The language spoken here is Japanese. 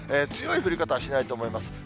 強い降り方はしないと思います。